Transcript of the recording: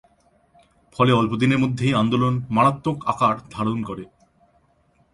ফলে অল্পদিনের মধ্যেই আন্দোলন মারাত্মক আকার ধারণ করে।